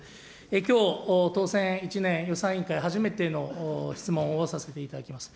きょう、当選１年、予算委員初めての質問をさせていただきます。